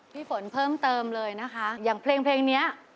พี่ฝนเพิ่มเติมเลยนะคะอย่างเพลงเพลงนี้